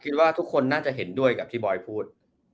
คิดว่าทุกคนน่าจะเห็นด้วยกับที่บอยพูด